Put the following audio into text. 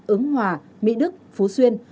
ứng hòa mỹ đức phú xuyên